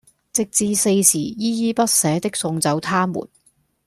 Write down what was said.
直至四時依依不捨的送走他們！